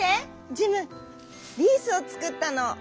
ジムリースをつくったの」。